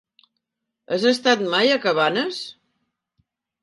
Has estat mai a Cabanes?